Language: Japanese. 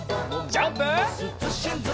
ジャンプ！